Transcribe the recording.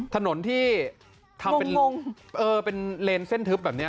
ถนนที่ทำเป็นเลนเส้นทึบแบบนี้